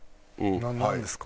なんですか？